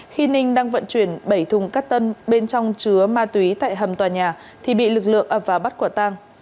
khi ninh đang vận chuyển bảy thùng cắt tân bên trong chứa ma túy tại hầm tòa nhà thì bị lực lượng ập và bắt quả tang